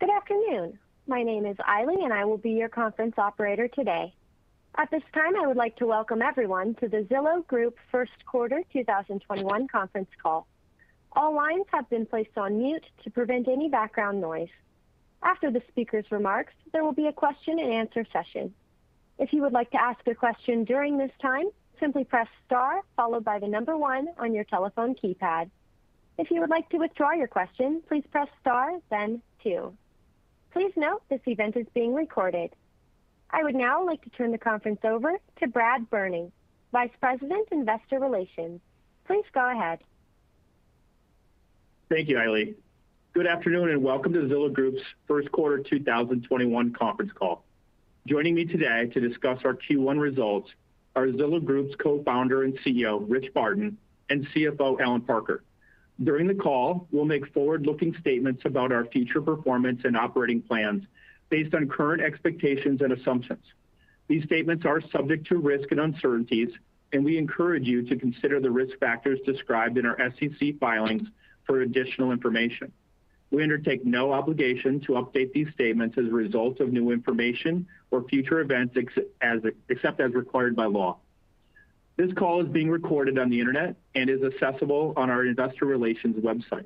Good afternoon. My name is Ailey. I will be your conference operator today. At this time, I would like to welcome everyone to the Zillow Group first quarter 2021 conference call. All lines have been placed on mute to prevent any background noise. After the speaker's remarks, there will be a question and answer session. If you would like to ask a question during this time, simply press star, followed by the number one on your telephone keypad. If you would like to withdraw your question, please press star, then two. Please note this event is being recorded. I would now like to turn the conference over to Brad Berning, Vice President, Investor Relations. Please go ahead. Thank you, Ailey. Good afternoon, welcome to Zillow Group's first quarter 2021 conference call. Joining me today to discuss our Q1 results are Zillow Group's Co-founder and CEO, Rich Barton, and CFO, Allen Parker. During the call, we'll make forward-looking statements about our future performance and operating plans based on current expectations and assumptions. These statements are subject to risk and uncertainties, we encourage you to consider the risk factors described in our SEC filings for additional information. We undertake no obligation to update these statements as a result of new information or future events, except as required by law. This call is being recorded on the Internet and is accessible on our investor relations website.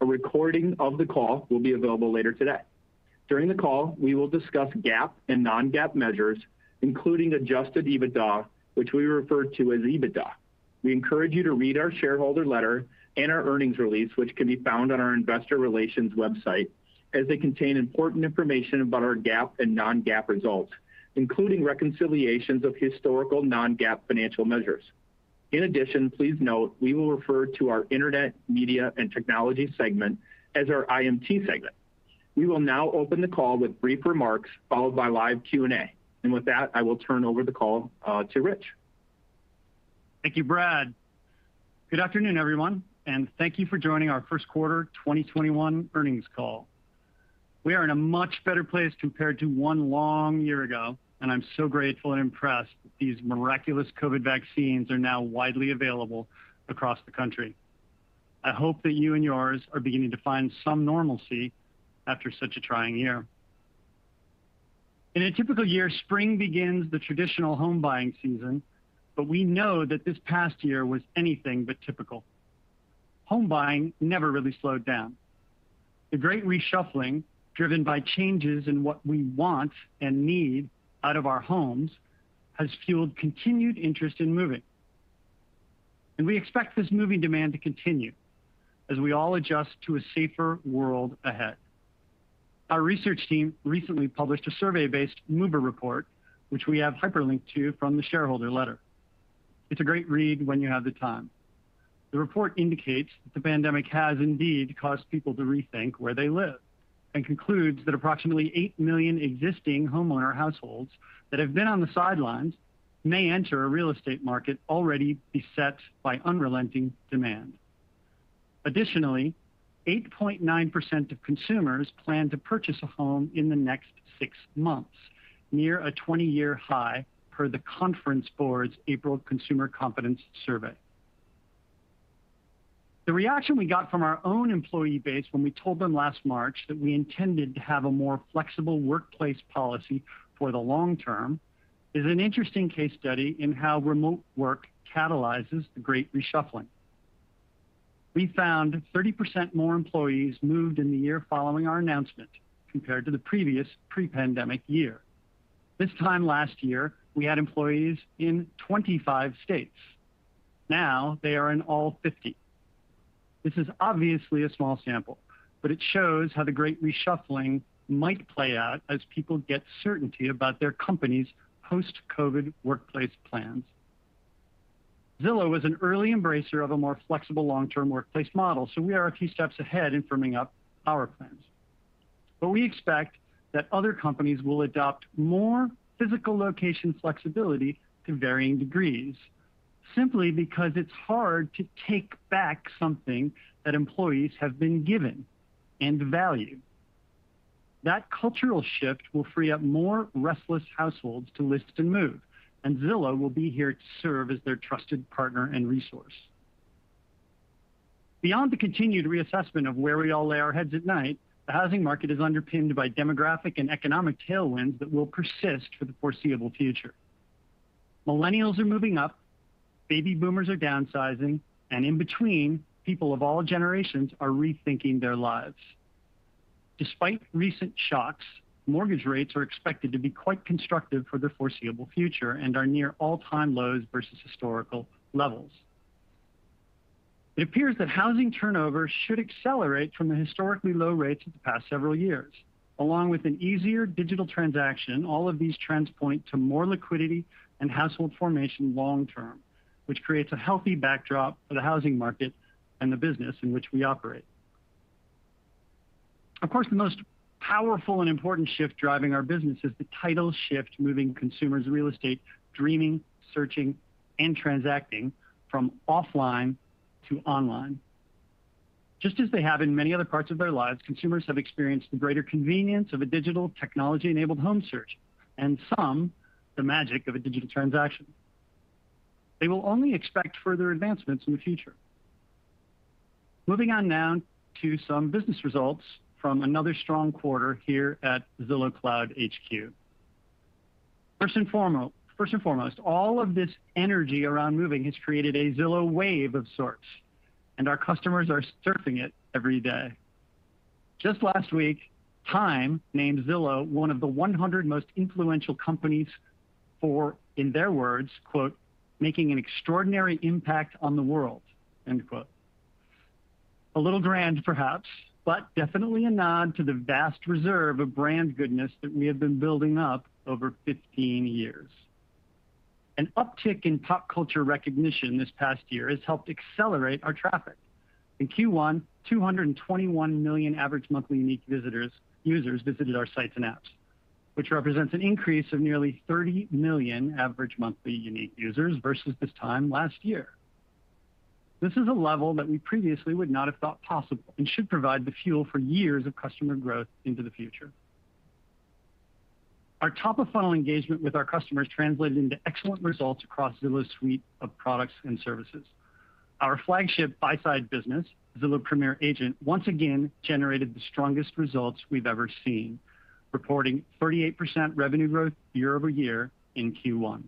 A recording of the call will be available later today. During the call, we will discuss GAAP and non-GAAP measures, including adjusted EBITDA, which we refer to as EBITDA. We encourage you to read our shareholder letter and our earnings release, which can be found on our investor relations website, as they contain important information about our GAAP and non-GAAP results, including reconciliations of historical non-GAAP financial measures. In addition, please note, we will refer to our Internet, Media, and Technology segment as our IMT segment. We will now open the call with brief remarks, followed by live Q&A. With that, I will turn over the call to Rich. Thank you, Brad. Good afternoon, everyone, and thank you for joining our first quarter 2021 earnings call. We are in a much better place compared to one long year ago, and I'm so grateful and impressed that these miraculous COVID vaccines are now widely available across the country. I hope that you and yours are beginning to find some normalcy after such a trying year. In a typical year, spring begins the traditional home buying season, but we know that this past year was anything but typical. Home buying never really slowed down. The great reshuffling, driven by changes in what we want and need out of our homes, has fueled continued interest in moving. We expect this moving demand to continue as we all adjust to a safer world ahead. Our research team recently published a survey-based mover report, which we have hyperlinked to from the shareholder letter. It's a great read when you have the time. The report indicates that the pandemic has indeed caused people to rethink where they live and concludes that approximately 8 million existing homeowner households that have been on the sidelines may enter a real estate market already beset by unrelenting demand. Additionally, 8.9% of consumers plan to purchase a home in the next six months, near a 20-year high per The Conference Board's April Consumer Confidence Survey. The reaction we got from our own employee base when we told them last March that we intended to have a more flexible workplace policy for the long term is an interesting case study in how remote work catalyzes the Great Reshuffling. We found 30% more employees moved in the year following our announcement compared to the previous pre-pandemic year. This time last year, we had employees in 25 states. Now, they are in all 50. This is obviously a small sample, but it shows how the Great Reshuffling might play out as people get certainty about their company's post-COVID workplace plans. Zillow was an early embracer of a more flexible long-term workplace model, so we are a few steps ahead in firming up our plans. We expect that other companies will adopt more physical location flexibility to varying degrees, simply because it's hard to take back something that employees have been given and value. That cultural shift will free up more restless households to list and move, and Zillow will be here to serve as their trusted partner and resource. Beyond the continued reassessment of where we all lay our heads at night, the housing market is underpinned by demographic and economic tailwinds that will persist for the foreseeable future. Millennials are moving up, baby boomers are downsizing, and in between, people of all generations are rethinking their lives. Despite recent shocks, mortgage rates are expected to be quite constructive for the foreseeable future and are near all-time lows versus historical levels. It appears that housing turnover should accelerate from the historically low rates of the past several years. Along with an easier digital transaction, all of these trends point to more liquidity and household formation long term, which creates a healthy backdrop for the housing market and the business in which we operate. Of course, the most powerful and important shift driving our business is the tidal shift moving consumers' real estate dreaming, searching, and transacting from offline to online. Just as they have in many other parts of their lives, consumers have experienced the greater convenience of a digital technology-enabled home search, and some, the magic of a digital transaction. They will only expect further advancements in the future. Moving on now to some business results from another strong quarter here at Zillow Cloud HQ. First and foremost, all of this energy around moving has created a Zillow wave of sorts, and our customers are surfing it every day. Just last week, Time named Zillow one of the 100 most influential companies for, in their words, "making an extraordinary impact on the world.". A little grand perhaps, but definitely a nod to the vast reserve of brand goodness that we have been building up over 15 years. An uptick in pop culture recognition this past year has helped accelerate our traffic. In Q1, 221 million average monthly unique users visited our sites and apps, which represents an increase of nearly 30 million average monthly unique users versus this time last year. This is a level that we previously would not have thought possible and should provide the fuel for years of customer growth into the future. Our top-of-funnel engagement with our customers translated into excellent results across Zillow's suite of products and services. Our flagship buy-side business, Zillow Premier Agent, once again generated the strongest results we've ever seen, reporting 38% revenue growth year-over-year in Q1.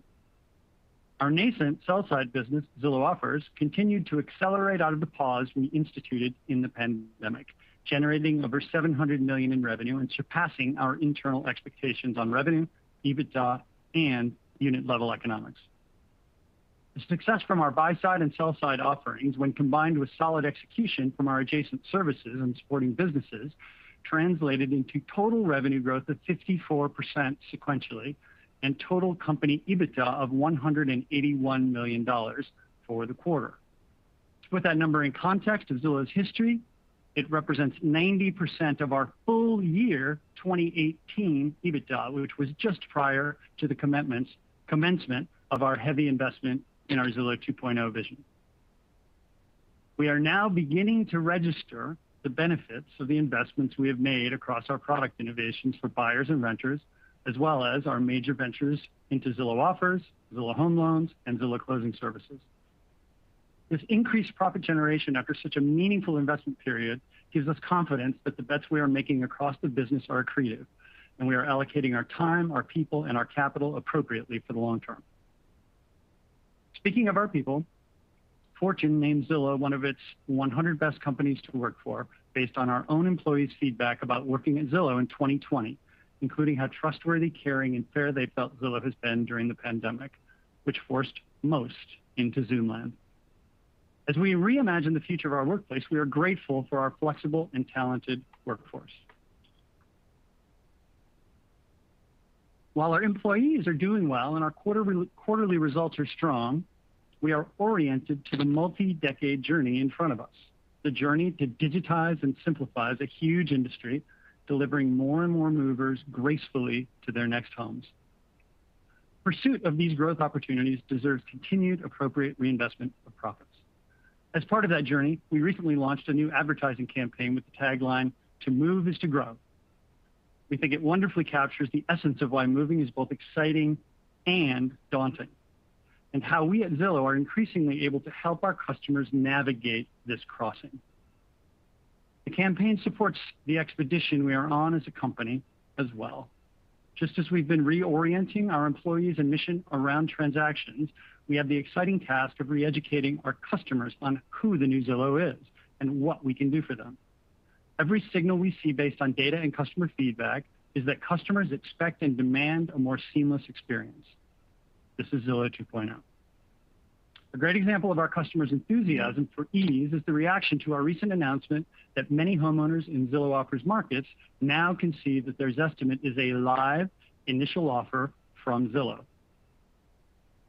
Our nascent sell-side business, Zillow Offers, continued to accelerate out of the pause we instituted in the pandemic, generating over $700 million in revenue and surpassing our internal expectations on revenue, EBITDA, and unit-level economics. The success from our buy-side and sell-side offerings, when combined with solid execution from our adjacent services and supporting businesses, translated into total revenue growth of 54% sequentially and total company EBITDA of $181 million for the quarter. To put that number in context of Zillow's history, it represents 90% of our full year 2018 EBITDA, which was just prior to the commencement of our heavy investment in our Zillow 2.0 vision. We are now beginning to register the benefits of the investments we have made across our product innovations for buyers and renters, as well as our major ventures into Zillow Offers, Zillow Home Loans, and Zillow Closing Services. This increased profit generation after such a meaningful investment period gives us confidence that the bets we are making across the business are accretive, and we are allocating our time, our people, and our capital appropriately for the long term. Speaking of our people, Fortune named Zillow one of its 100 best companies to work for based on our own employees' feedback about working at Zillow in 2020, including how trustworthy, caring, and fair they felt Zillow has been during the pandemic, which forced most into Zoom land. As we reimagine the future of our workplace, we are grateful for our flexible and talented workforce. While our employees are doing well and our quarterly results are strong, we are oriented to the multi-decade journey in front of us, the journey to digitize and simplify as a huge industry, delivering more and more movers gracefully to their next homes. Pursuit of these growth opportunities deserves continued appropriate reinvestment of profits. As part of that journey, we recently launched a new advertising campaign with the tagline, "To move is to grow." We think it wonderfully captures the essence of why moving is both exciting and daunting, and how we at Zillow are increasingly able to help our customers navigate this crossing. The campaign supports the expedition we are on as a company as well. Just as we've been reorienting our employees and mission around transactions, we have the exciting task of re-educating our customers on who the new Zillow is and what we can do for them. Every signal we see based on data and customer feedback is that customers expect and demand a more seamless experience. This is Zillow 2.0. A great example of our customers' enthusiasm for ease is the reaction to our recent announcement that many homeowners in Zillow Offers markets now can see that their Zestimate is a live initial offer from Zillow.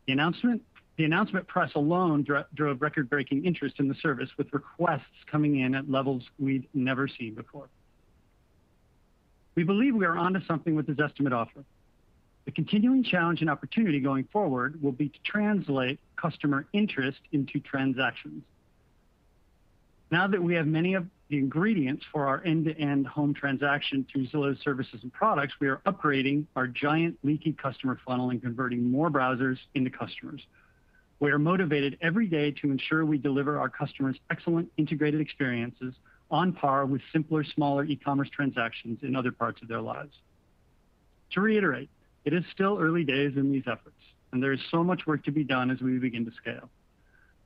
The announcement press alone drove record-breaking interest in the service, with requests coming in at levels we'd never seen before. We believe we are onto something with the Zestimate offer. The continuing challenge and opportunity going forward will be to translate customer interest into transactions. Now that we have many of the ingredients for our end-to-end home transaction through Zillow services and products, we are upgrading our giant leaky customer funnel and converting more browsers into customers. We are motivated every day to ensure we deliver our customers excellent integrated experiences on par with simpler, smaller e-commerce transactions in other parts of their lives. To reiterate, it is still early days in these efforts, and there is so much work to be done as we begin to scale.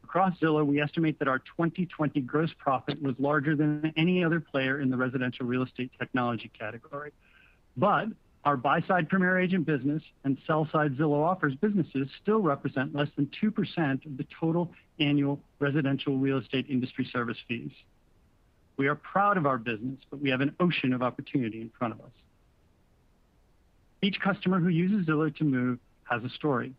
Across Zillow, we estimate that our 2020 gross profit was larger than any other player in the residential real estate technology category. Our buy-side Premier Agent business and sell-side Zillow Offers businesses still represent less than 2% of the total annual residential real estate industry service fees. We are proud of our business, but we have an ocean of opportunity in front of us. Each customer who uses Zillow to move has a story.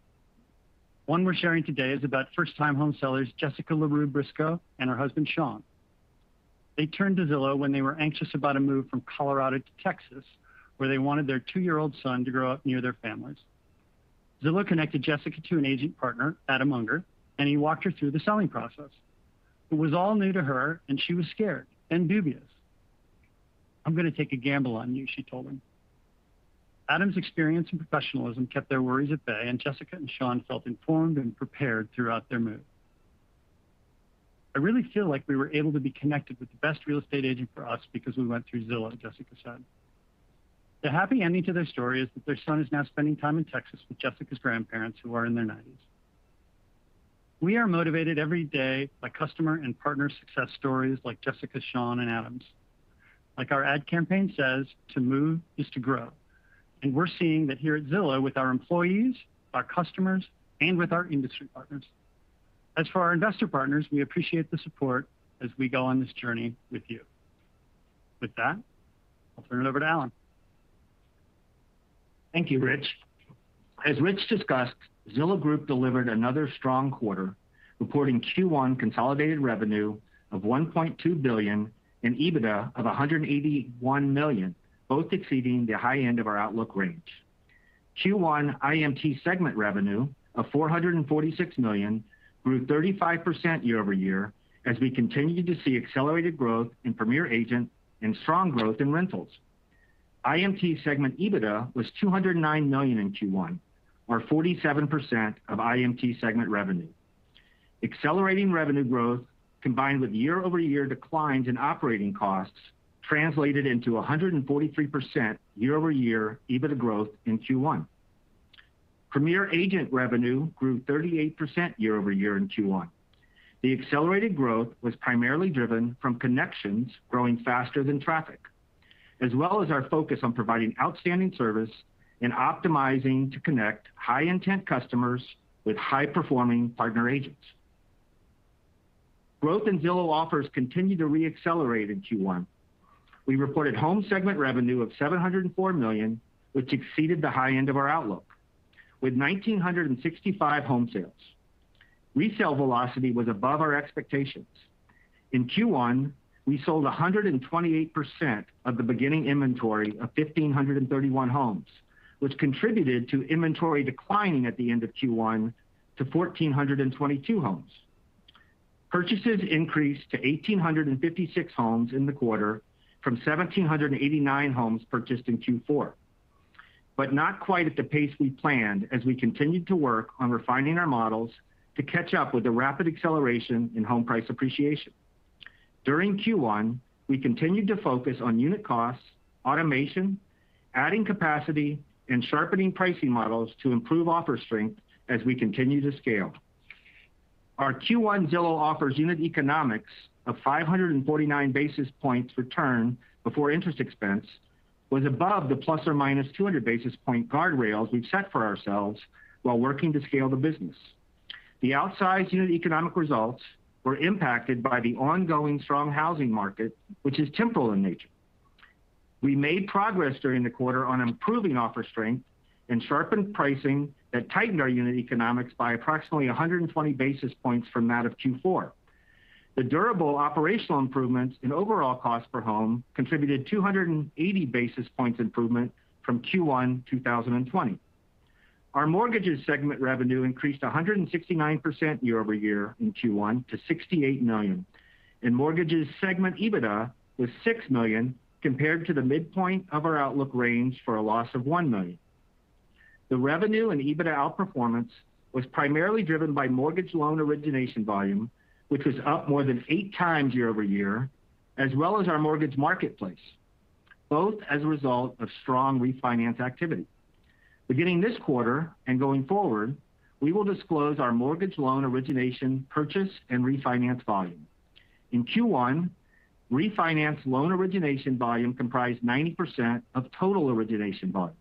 One we're sharing today is about first-time home sellers, Jessica LaRue-Briscoe and her husband, Shawn. They turned to Zillow when they were anxious about a move from Colorado to Texas, where they wanted their two-year-old son to grow up near their families. Zillow connected Jessica to an agent partner, Adam Unger, and he walked her through the selling process. It was all new to her, and she was scared and dubious. " I'm going to take a gamble on you," she told him. Adam's experience and professionalism kept their worries at bay, and Jessica and Shawn felt informed and prepared throughout their move. "I really feel like we were able to be connected with the best real estate agent for us because we went through Zillow," Jessica said. The happy ending to their story is that their son is now spending time in Texas with Jessica's grandparents, who are in their 90s. We are motivated every day by customer and partner success stories like Jessica, Shawn, and Adam's. Like our ad campaign says, "To move is to grow." We're seeing that here at Zillow with our employees, our customers, and with our industry partners. As for our investor partners, we appreciate the support as we go on this journey with you. With that, I'll turn it over to Allen. Thank you, Rich. As Rich discussed, Zillow Group delivered another strong quarter, reporting Q1 consolidated revenue of $1.2 billion and EBITDA of $181 million, both exceeding the high end of our outlook range. Q1 IMT segment revenue of $446 million grew 35% year-over-year as we continued to see accelerated growth in Premier Agent and strong growth in rentals. IMT segment EBITDA was $209 million in Q1, or 47% of IMT segment revenue. Accelerating revenue growth, combined with year-over-year declines in operating costs, translated into 143% year-over-year EBITDA growth in Q1. Premier Agent revenue grew 38% year-over-year in Q1. The accelerated growth was primarily driven from Connections growing faster than traffic, as well as our focus on providing outstanding service and optimizing to connect high-intent customers with high-performing partner agents. Growth in Zillow Offers continued to re-accelerate in Q1. We reported Home segment revenue of $704 million, which exceeded the high end of our outlook, with 1,965 home sales. Resale velocity was above our expectations. In Q1, we sold 128% of the beginning inventory of 1,531 homes, which contributed to inventory declining at the end of Q1 to 1,422 homes. Purchases increased to 1,856 homes in the quarter from 1,789 homes purchased in Q4, but not quite at the pace we planned as we continued to work on refining our models to catch up with the rapid acceleration in home price appreciation. During Q1, we continued to focus on unit costs, automation, adding capacity, and sharpening pricing models to improve offer strength as we continue to scale. Our Q1 Zillow Offers unit economics of 549 basis points return before interest expense was above the ±200 basis point guardrails we've set for ourselves while working to scale the business. The outsized unit economic results were impacted by the ongoing strong housing market, which is temporal in nature. We made progress during the quarter on improving offer strength and sharpened pricing that tightened our unit economics by approximately 120 basis points from that of Q4. The durable operational improvements in overall cost per home contributed 280 basis points improvement from Q1 2020. Our Mortgages segment revenue increased 169% year-over-year in Q1 to $68 million, and Mortgages segment EBITDA was $6 million compared to the midpoint of our outlook range for a loss of $1 million. The revenue and EBITDA outperformance was primarily driven by mortgage loan origination volume, which was up more than eight times year-over-year, as well as our mortgage marketplace, both as a result of strong refinance activity. Beginning this quarter and going forward, we will disclose our mortgage loan origination purchase and refinance volume. In Q1, refinance loan origination volume comprised 90% of total origination volume.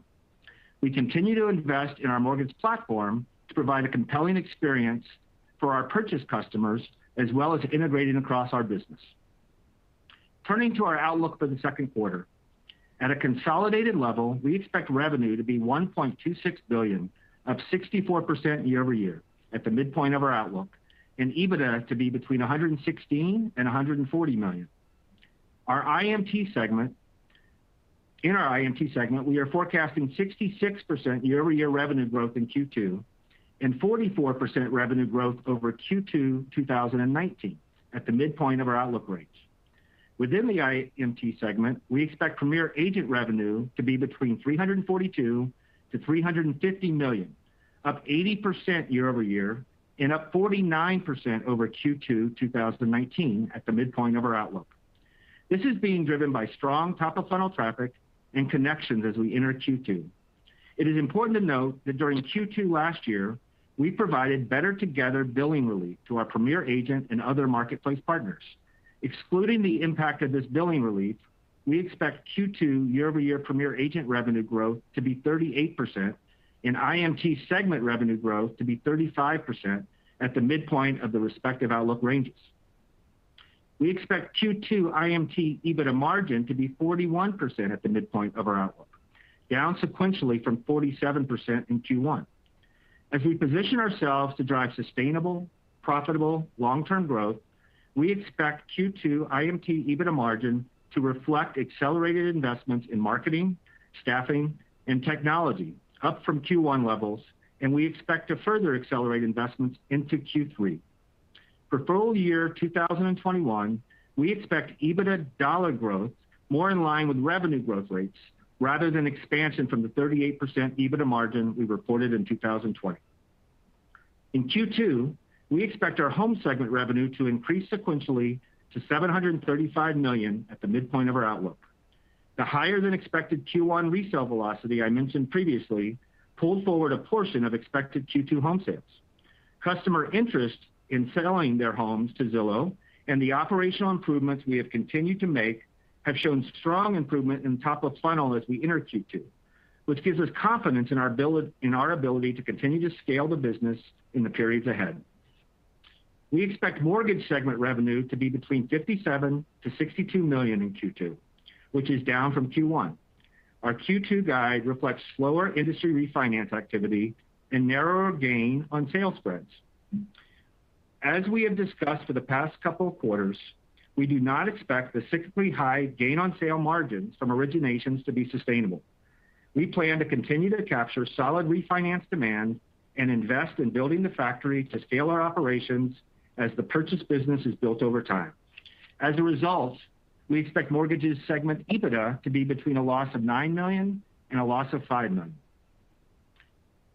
We continue to invest in our mortgage platform to provide a compelling experience for our purchase customers, as well as integrating across our business. Turning to our outlook for the second quarter. At a consolidated level, we expect revenue to be $1.26 billion, up 64% year-over-year at the midpoint of our outlook, and EBITDA to be between $116 million and $140 million. In our IMT segment, we are forecasting 66% year-over-year revenue growth in Q2 and 44% revenue growth over Q2 2019 at the midpoint of our outlook range. Within the IMT segment, we expect Premier Agent revenue to be between $342 million-$350 million, up 80% year-over-year and up 49% over Q2 2019 at the midpoint of our outlook. This is being driven by strong top-of-funnel traffic and connections as we enter Q2. It is important to note that during Q2 last year, we provided Better Together billing relief to our Premier Agent and other marketplace partners. Excluding the impact of this billing relief, we expect Q2 year-over-year Premier Agent revenue growth to be 38% and IMT segment revenue growth to be 35% at the midpoint of the respective outlook ranges. We expect Q2 IMT EBITDA margin to be 41% at the midpoint of our outlook, down sequentially from 47% in Q1. As we position ourselves to drive sustainable, profitable long-term growth, we expect Q2 IMT EBITDA margin to reflect accelerated investments in marketing, staffing, and technology up from Q1 levels, and we expect to further accelerate investments into Q3. For full year 2021, we expect EBITDA dollar growth more in line with revenue growth rates rather than expansion from the 38% EBITDA margin we reported in 2020. In Q2, we expect our Home segment revenue to increase sequentially to $735 million at the midpoint of our outlook. The higher than expected Q1 resale velocity I mentioned previously pulled forward a portion of expected Q2 home sales. Customer interest in selling their homes to Zillow and the operational improvements we have continued to make have shown strong improvement in top of funnel as we enter Q2, which gives us confidence in our ability to continue to scale the business in the periods ahead. We expect Mortgage segment revenue to be between $57 million-$62 million in Q2, which is down from Q1. Our Q2 guide reflects slower industry refinance activity and narrower gain on sale spreads. As we have discussed for the past couple of quarters, we do not expect the cyclically high gain on sale margins from originations to be sustainable. We plan to continue to capture solid refinance demand and invest in building the factory to scale our operations as the purchase business is built over time. As a result, we expect Mortgages segment EBITDA to be between a loss of $9 million and a loss of $5 million.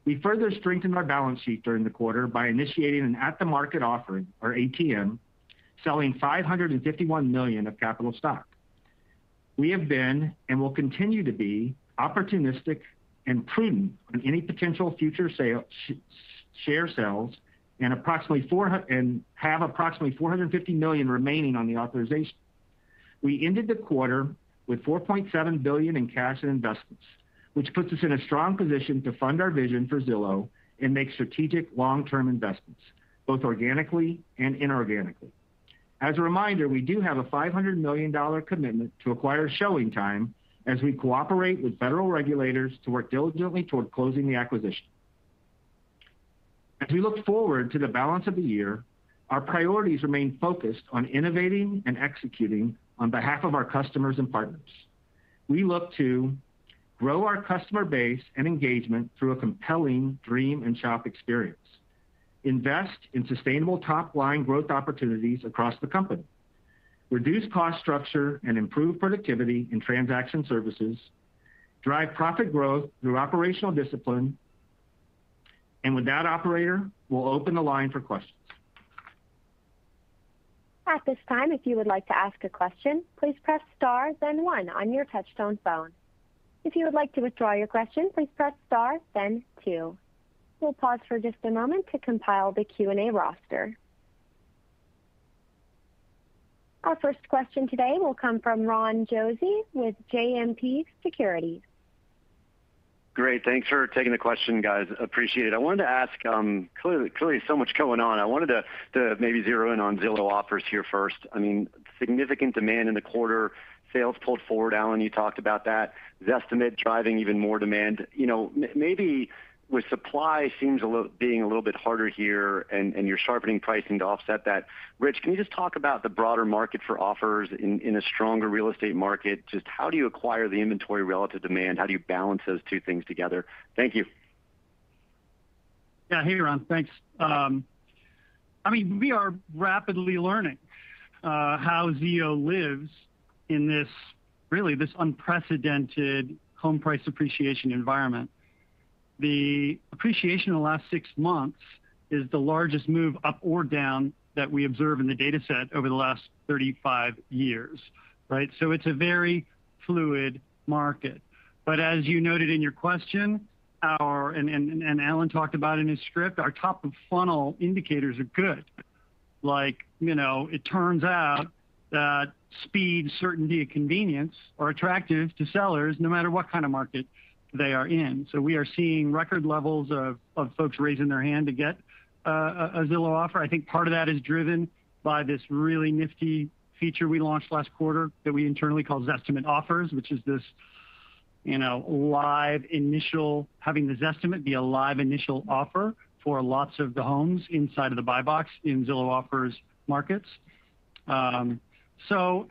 We further strengthened our balance sheet during the quarter by initiating an at the market offering, or ATM, selling $551 million of capital stock. We have been, and will continue to be, opportunistic and prudent on any potential future share sales and have approximately $450 million remaining on the authorization. We ended the quarter with $4.7 billion in cash and investments, which puts us in a strong position to fund our vision for Zillow and make strategic long-term investments, both organically and inorganically. As a reminder, we do have a $500 million commitment to acquire ShowingTime as we cooperate with federal regulators to work diligently toward closing the acquisition. As we look forward to the balance of the year, our priorities remain focused on innovating and executing on behalf of our customers and partners. We look to grow our customer base and engagement through a compelling dream and shop experience, invest in sustainable top-line growth opportunities across the company, reduce cost structure and improve productivity in transaction services, drive profit growth through operational discipline. With that, operator, we'll open the line for questions. At this time, if you would like to ask a question, please press star then one on your touch-tone phone. If you would like to withdraw your question, please press star then two. We'll pause for just a moment to compile the Q&A roster. Our first question today will come from Ron Josey with JMP Securities. Great. Thanks for taking the question, guys. Appreciate it. I wanted to ask, clearly so much going on. I wanted to maybe zero in on Zillow Offers here first. Significant demand in the quarter, sales pulled forward. Allen, you talked about that. Zestimate driving even more demand. Maybe with supply seems being a little bit harder here, you're sharpening pricing to offset that. Rich, can you just talk about the broader market for Zillow Offers in a stronger real estate market? Just how do you acquire the inventory relative to demand? How do you balance those two things together? Thank you. Hey, Ron. Thanks. We are rapidly learning how ZO lives in this unprecedented home price appreciation environment. The appreciation in the last six months is the largest move up or down that we observe in the data set over the last 35 years. It's a very fluid market. As you noted in your question, and Allen talked about in his script, our top-of-funnel indicators are good. It turns out that speed, certainty, and convenience are attractive to sellers no matter what kind of market they are in. We are seeing record levels of folks raising their hand to get a Zillow Offers. I think part of that is driven by this really nifty feature we launched last quarter that we internally call Zestimate Offers, which is having this Zestimate be a live initial offer for lots of the homes inside of the buy box in Zillow Offers markets.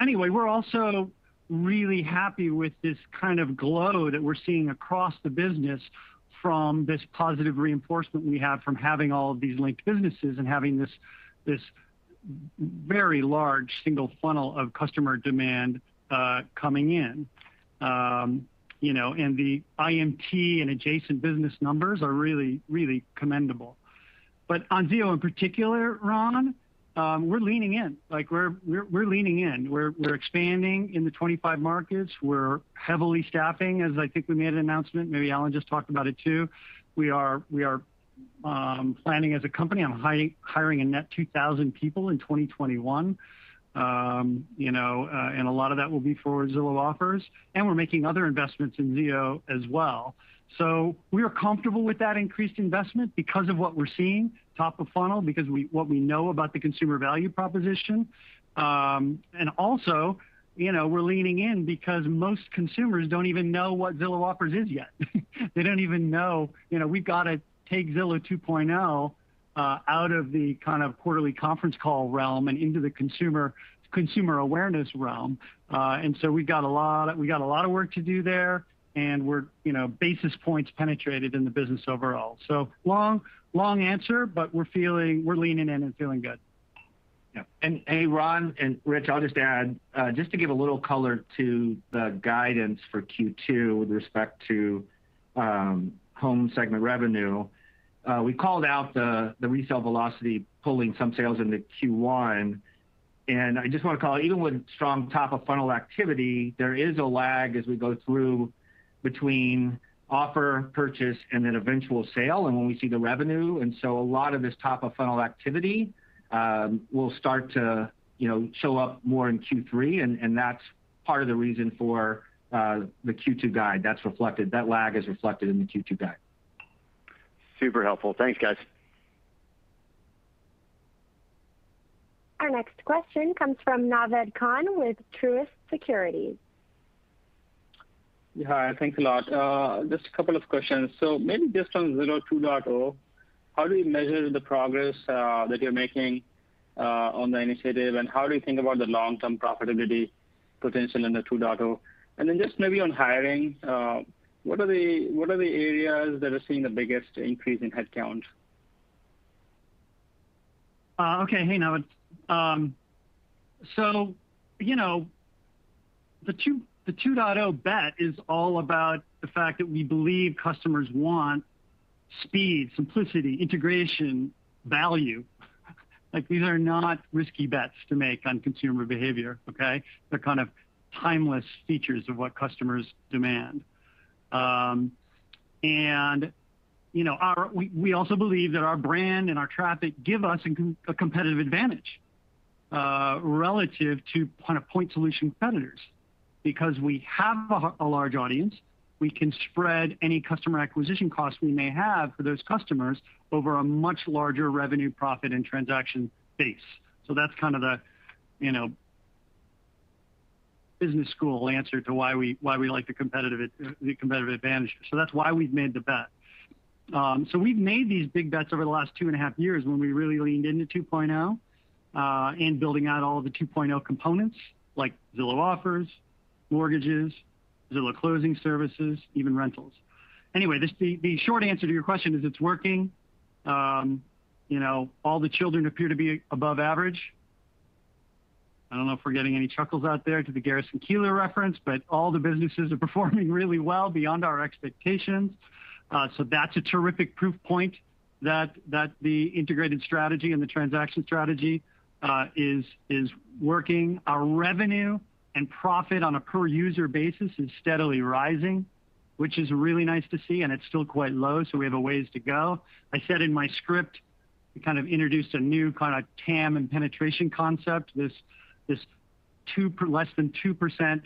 Anyway, we're also really happy with this kind of glow that we're seeing across the business from this positive reinforcement we have from having all of these linked businesses and having this very large single funnel of customer demand coming in. The IMT and adjacent business numbers are really commendable. On ZO in particular, Ron, we're leaning in. We're expanding in the 25 markets. We're heavily staffing, as I think we made an announcement. Maybe Allen just talked about it, too. We are planning as a company on hiring a net 2,000 people in 2021. A lot of that will be for Zillow Offers. We're making other investments in ZO as well. We are comfortable with that increased investment because of what we're seeing top of funnel, because what we know about the consumer value proposition. Also, we're leaning in because most consumers don't even know what Zillow Offers is yet. They don't even know. We've got to take Zillow 2.0 out of the kind of quarterly conference call realm and into the consumer awareness realm. We got a lot of work to do there, and we're basis points penetrated in the business overall. Long answer, but we're leaning in and feeling good. Yeah. Hey, Ron and Rich, I'll just add, just to give a little color to the guidance for Q2 with respect to home segment revenue. We called out the resale velocity pulling some sales into Q1, and I just want to call out, even with strong top-of-funnel activity, there is a lag as we go through between offer, purchase, and then eventual sale, and when we see the revenue. A lot of this top-of-funnel activity will start to show up more in Q3, and that's part of the reason for the Q2 guide. That lag is reflected in the Q2 guide. Super helpful. Thanks, guys. Our next question comes from Naved Khan with Truist Securities. Yeah. Thanks a lot. Just a couple of questions. Maybe just on Zillow 2.0, how do you measure the progress that you're making on the initiative, and how do you think about the long-term profitability potential in the 2.0? Just maybe on hiring, what are the areas that are seeing the biggest increase in headcount? Okay. Hey, Naved. The 2.0 bet is all about the fact that we believe customers want speed, simplicity, integration, value. These are not risky bets to make on consumer behavior, okay? They're kind of timeless features of what customers demand. We also believe that our brand and our traffic give us a competitive advantage relative to point solution competitors. Because we have a large audience, we can spread any customer acquisition costs we may have for those customers over a much larger revenue, profit, and transaction base. That's kind of the business school answer to why we like the competitive advantage. That's why we've made the bet. We've made these big bets over the last two and a half years when we really leaned into 2.0, in building out all of the 2.0 components like Zillow Offers, mortgages, Zillow Closing Services, even rentals. The short answer to your question is it's working. All the children appear to be above average. I don't know if we're getting any chuckles out there to the Garrison Keillor reference. All the businesses are performing really well, beyond our expectations. That's a terrific proof point that the integrated strategy and the transaction strategy is working. Our revenue and profit on a per-user basis is steadily rising, which is really nice to see, and it's still quite low, so we have a ways to go. I said in my script, we kind of introduced a new kind of TAM and penetration concept, this less than 2%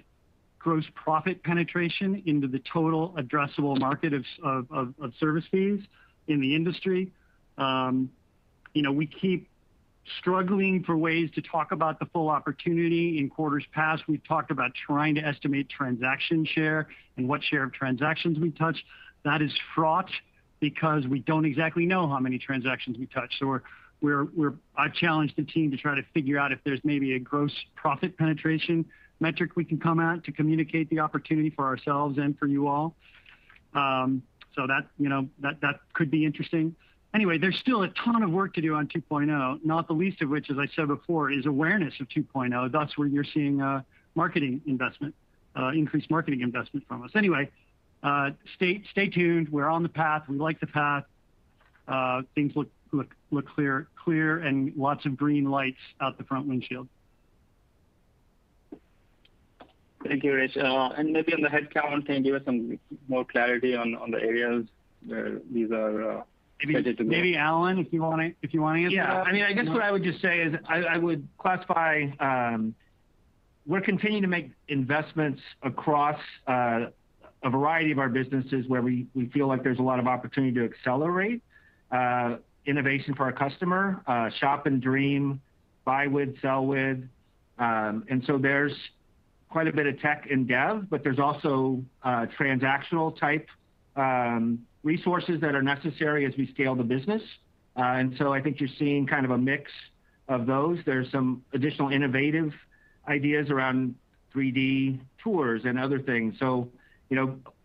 gross profit penetration into the total addressable market of service fees in the industry. We keep struggling for ways to talk about the full opportunity. In quarters past, we've talked about trying to estimate transaction share and what share of transactions we touch. That is fraught because we don't exactly know how many transactions we touch. I've challenged the team to try to figure out if there's maybe a gross profit penetration metric we can come at to communicate the opportunity for ourselves and for you all. That could be interesting. Anyway, there's still a ton of work to do on 2.0, not the least of which, as I said before, is awareness of 2.0. That's where you're seeing increased marketing investment from us. Anyway, stay tuned. We're on the path. We like the path. Things look clear, and lots of green lights out the front windshield. Thank you, Rich. Maybe on the headcount, can you give us some more clarity on the areas where these are headed to grow? Maybe Allen, if you want to answer that? Yeah. I guess what I would just say is, I would classify, we're continuing to make investments across a variety of our businesses where we feel like there's a lot of opportunity to accelerate innovation for our customer. Shop and dream, buy with, sell with. There's quite a bit of tech in dev, but there's also transactional-type resources that are necessary as we scale the business. I think you're seeing kind of a mix of those. There's some additional innovative ideas around 3D tours and other things.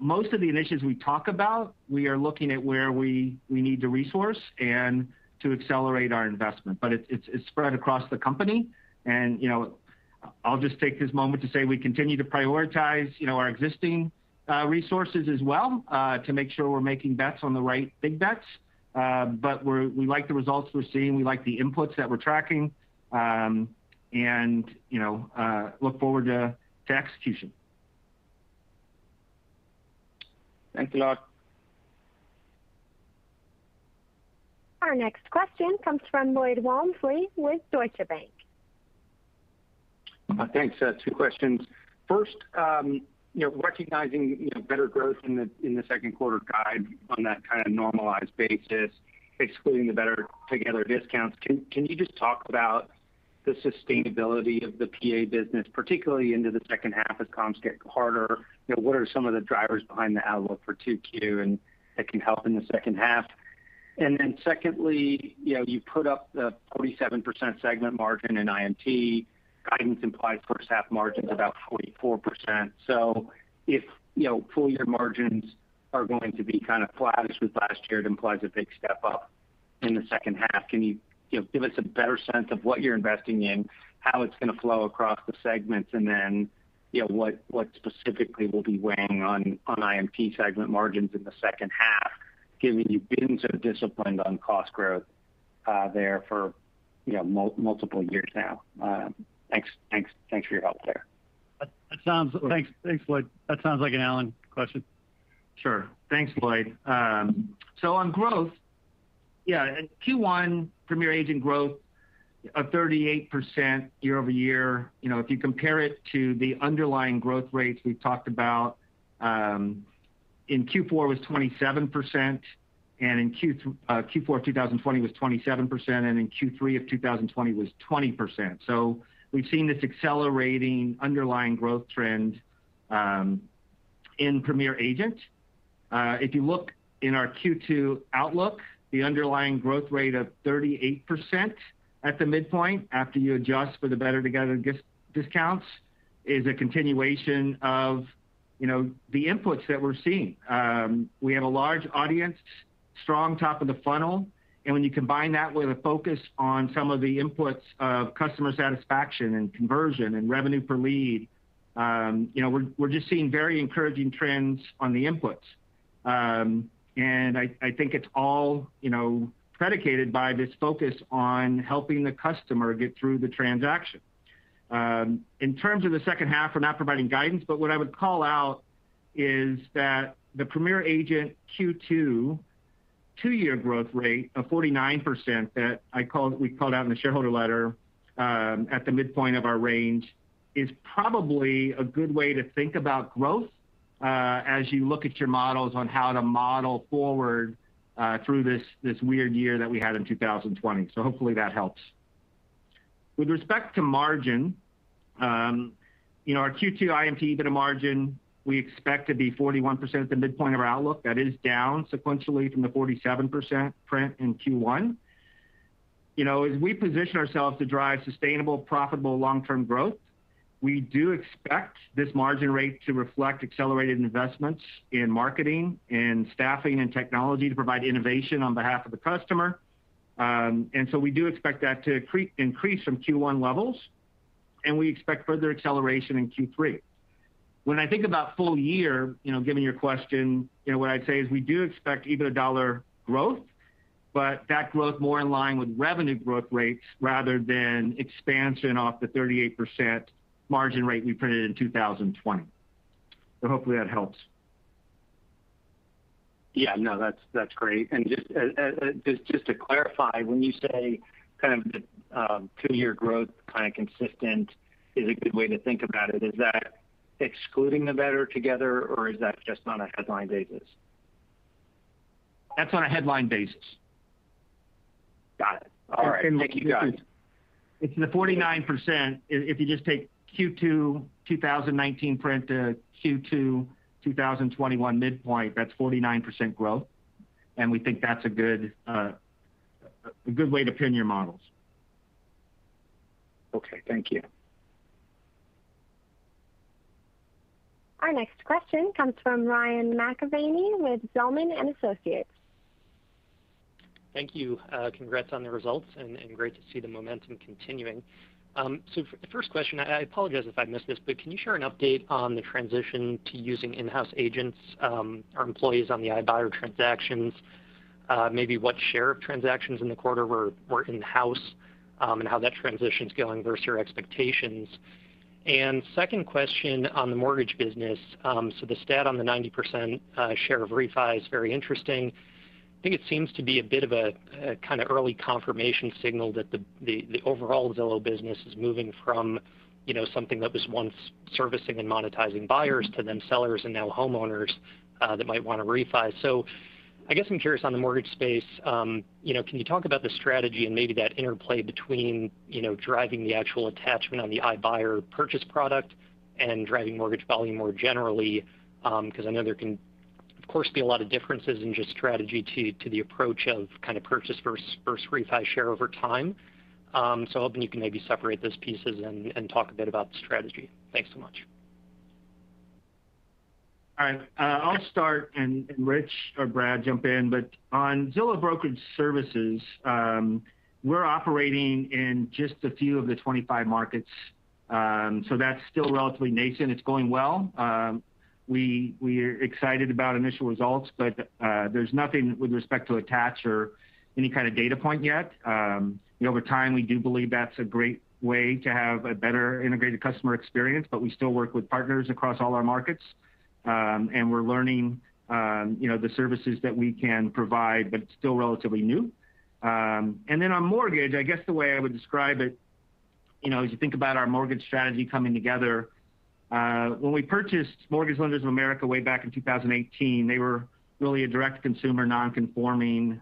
Most of the initiatives we talk about, we are looking at where we need to resource and to accelerate our investment. It's spread across the company, and I'll just take this moment to say we continue to prioritize our existing resources as well, to make sure we're making bets on the right big bets. We like the results we're seeing, we like the inputs that we're tracking, and look forward to execution. Thanks a lot. Our next question comes from Lloyd Walmsley with Deutsche Bank. Thanks. Two questions. First, recognizing better growth in the second quarter guide on that kind of normalized basis, excluding the Better Together discounts, can you just talk about the sustainability of the PA business, particularly into the second half as comps get harder? What are some of the drivers behind the outlook for 2Q and that can help in the second half? Secondly, you put up the 47% segment margin in IMT. Guidance implies first half margin's about 44%. If full-year margins are going to be kind of flat as with last year, it implies a big step-up in the second half, can you give us a better sense of what you're investing in, how it's going to flow across the segments, and then what specifically will be weighing on IMT segment margins in the second half, given you've been so disciplined on cost growth there for multiple years now? Thanks for your help there. Thanks, Lloyd. That sounds like an Allen question. Sure. Thanks, Lloyd. On growth, in Q1, Premier Agent growth of 38% year-over-year. If you compare it to the underlying growth rates we've talked about, in Q4 it was 27%, and in Q4 2020 it was 27%, and in Q3 of 2020 it was 20%. We've seen this accelerating underlying growth trend in Premier Agent. If you look in our Q2 outlook, the underlying growth rate of 38% at the midpoint, after you adjust for the Better Together discounts, is a continuation of the inputs that we're seeing. We have a large audience, strong top of the funnel, and when you combine that with a focus on some of the inputs of customer satisfaction and conversion and revenue per lead, we're just seeing very encouraging trends on the inputs. I think it's all predicated by this focus on helping the customer get through the transaction. In terms of the second half, we're not providing guidance, but what I would call out is that the Premier Agent Q2 two-year growth rate of 49% that we called out in the shareholder letter at the midpoint of our range is probably a good way to think about growth as you look at your models on how to model forward through this weird year that we had in 2020. Hopefully that helps. With respect to margin, our Q2 IMT EBITDA margin we expect to be 41% at the midpoint of our outlook. That is down sequentially from the 47% print in Q1. As we position ourselves to drive sustainable, profitable long-term growth, we do expect this margin rate to reflect accelerated investments in marketing, in staffing and technology to provide innovation on behalf of the customer. We do expect that to increase from Q1 levels, and we expect further acceleration in Q3. When I think about full year, given your question, what I'd say is we do expect EBITDA dollar growth, but that growth more in line with revenue growth rates rather than expansion off the 38% margin rate we printed in 2020. Hopefully that helps. Yeah, no, that's great. Just to clarify, when you say the two-year growth consistent is a good way to think about it, is that excluding the Better Together, or is that just on a headline basis? That's on a headline basis. Got it. All right. Thank you. Got it. Look, it's in the 49%. If you just take Q2 2019 print to Q2 2021 midpoint, that's 49% growth. We think that's a good way to pin your models. Okay, thank you. Our next question comes from Ryan McKeveny with Zelman & Associates. Thank you. Congrats on the results, and great to see the momentum continuing. For the first question, I apologize if I missed this, but can you share an update on the transition to using in-house agents or employees on the iBuyer transactions? Maybe what share of transactions in the quarter were in-house, and how that transition's going versus your expectations. Second question on the mortgage business. The stat on the 90% share of refi is very interesting. I think it seems to be a bit of a kind of early confirmation signal that the overall Zillow business is moving from something that was once servicing and monetizing buyers to then sellers and now homeowners that might want to refi. I guess I'm curious on the mortgage space. Can you talk about the strategy and maybe that interplay between driving the actual attachment on the iBuyer purchase product and driving mortgage volume more generally? I know there can, of course, be a lot of differences in just strategy to the approach of purchase versus refi share over time. Hoping you can maybe separate those pieces and talk a bit about the strategy. Thanks so much. All right. I'll start, and Rich or Brad, jump in. On Zillow brokerage services, we're operating in just a few of the 25 markets. That's still relatively nascent. It's going well. We're excited about initial results, but there's nothing with respect to attach or any kind of data point yet. Over time, we do believe that's a great way to have a better integrated customer experience, but we still work with partners across all our markets. We're learning the services that we can provide, but it's still relatively new. On mortgage, I guess the way I would describe it, as you think about our mortgage strategy coming together. When we purchased Mortgage Lenders of America way back in 2018, they were really a direct consumer non-conforming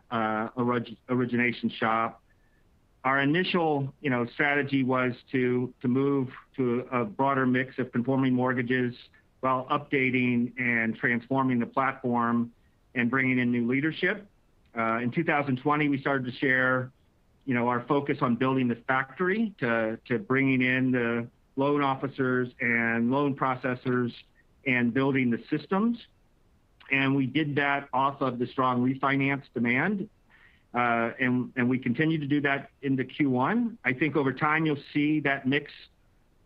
origination shop. Our initial strategy was to move to a broader mix of conforming mortgages while updating and transforming the platform and bringing in new leadership. In 2020, we started to share our focus on building this factory to bringing in the loan officers and loan processors and building the systems. We did that off of the strong refinance demand, and we continue to do that into Q1. I think over time you'll see that mix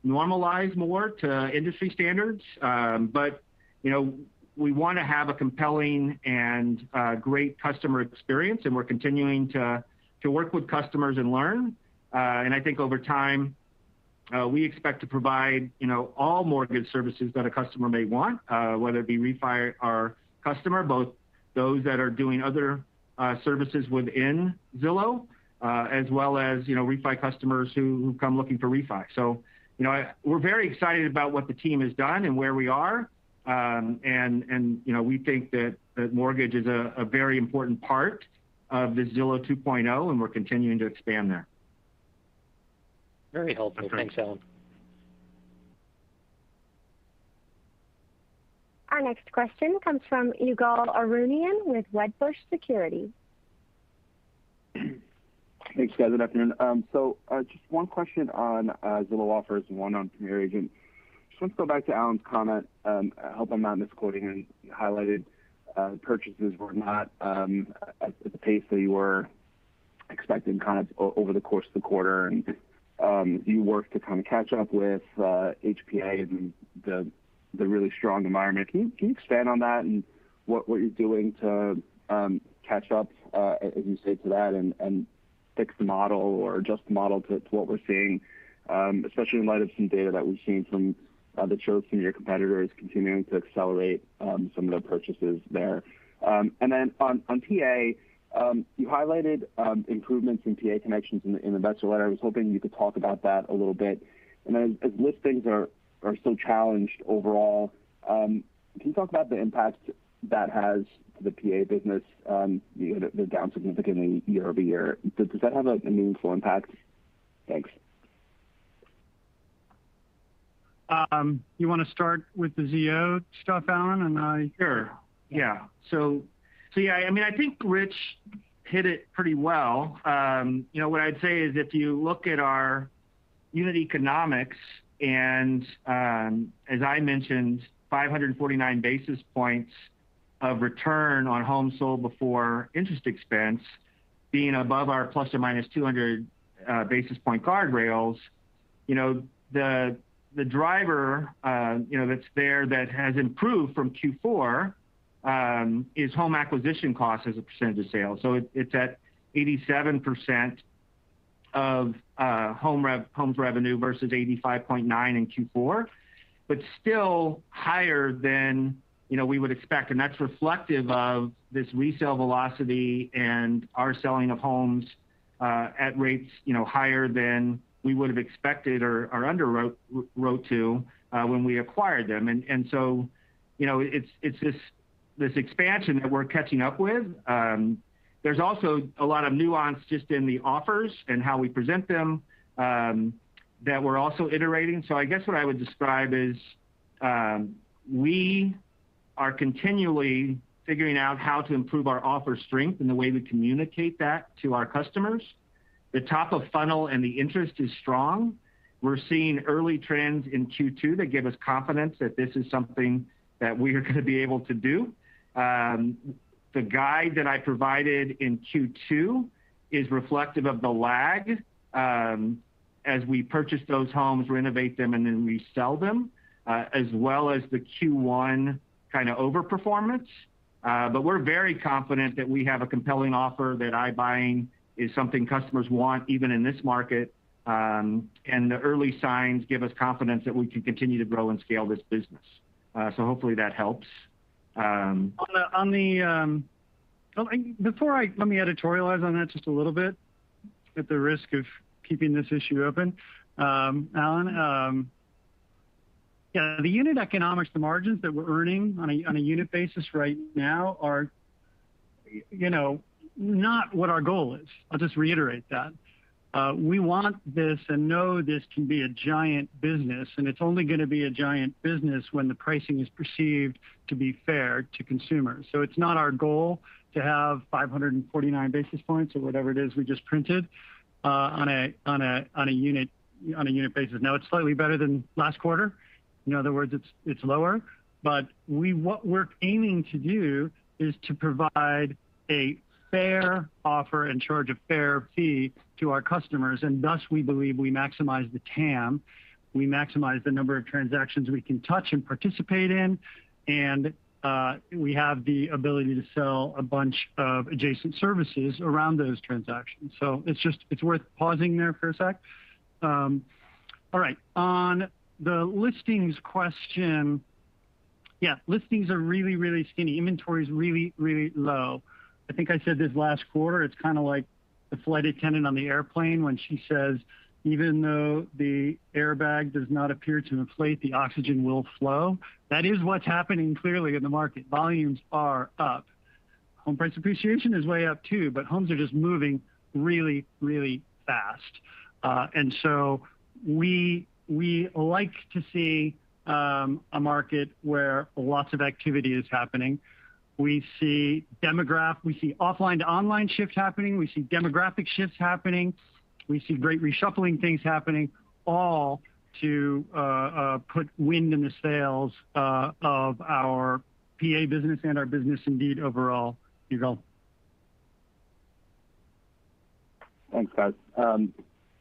normalize more to industry standards. We want to have a compelling and great customer experience, and we're continuing to work with customers and learn. I think over time, we expect to provide all mortgage services that a customer may want, whether it be refi our customer, both those that are doing other services within Zillow, as well as refi customers who come looking for refi. We're very excited about what the team has done and where we are. We think that mortgage is a very important part of the Zillow 2.0, and we're continuing to expand there. Very helpful. Thanks, Allen. Our next question comes from Ygal Arounian with Wedbush Securities. Thanks, guys. Good afternoon. Just one question on Zillow Offers and one on Premier Agent. Just want to go back to Allen's comment, I hope I'm not misquoting. You highlighted purchases were not at the pace that you were expecting over the course of the quarter, and you worked to kind of catch up with HPA and the really strong environment. Can you expand on that and what you're doing to catch up, as you say to that, and fix the model or adjust the model to what we're seeing, especially in light of some data that we've seen that shows some of your competitors continuing to accelerate some of their purchases there? Then on PA, you highlighted improvements in PA Connections in the investor letter. I was hoping you could talk about that a little bit. As listings are so challenged overall, can you talk about the impact that has to the PA business? They're down significantly year-over-year. Does that have a meaningful impact? Thanks. You want to start with the ZO stuff, Allen. Sure. Yeah. Yeah, I think Rich hit it pretty well. What I'd say is if you look at our unit economics and, as I mentioned, 549 basis points of return on homes sold before interest expense, being above our ±200 basis point guardrails. The driver that's there that has improved from Q4, is home acquisition cost as a percent of sales. It's at 87% of homes revenue versus 85.9% in Q4. Still higher than we would expect, and that's reflective of this resale velocity and our selling of homes at rates higher than we would've expected or underwrote to when we acquired them. It's this expansion that we're catching up with. There's also a lot of nuance just in the offers and how we present them, that we're also iterating. I guess what I would describe is, we are continually figuring out how to improve our offer strength and the way we communicate that to our customers. The top of funnel and the interest is strong. We're seeing early trends in Q2 that give us confidence that this is something that we are going to be able to do. The guide that I provided in Q2 is reflective of the lag, as we purchase those homes, renovate them, and then resell them, as well as the Q1 over-performance. We're very confident that we have a compelling offer, that iBuying is something customers want, even in this market. The early signs give us confidence that we can continue to grow and scale this business. Hopefully that helps. Let me editorialize on that just a little bit, at the risk of keeping this issue open. Allen, the unit economics, the margins that we're earning on a unit basis right now are not what our goal is. I'll just reiterate that. We want this and know this can be a giant business, and it's only going to be a giant business when the pricing is perceived to be fair to consumers. It's not our goal to have 549 basis points or whatever it is we just printed, on a unit basis. Now it's slightly better than last quarter. In other words, it's lower. What we're aiming to do is to provide a fair offer and charge a fair fee to our customers, and thus we believe we maximize the TAM. We maximize the number of transactions we can touch and participate in, and we have the ability to sell a bunch of adjacent services around those transactions. It's worth pausing there for a sec. All right. On the listings question. Yeah, listings are really, really skinny. Inventory's really, really low. I think I said this last quarter, it's kind of like the flight attendant on the airplane when she says, "Even though the airbag does not appear to inflate, the oxygen will flow." That is what's happening clearly in the market. Volumes are up. Home price appreciation is way up too, but homes are just moving really fast. We like to see a market where lots of activity is happening. We see offline-to-online shifts happening. We see demographic shifts happening. We see great reshuffling things happening, all to put wind in the sails of our PA business and our business indeed overall, Ygal. Thanks, guys.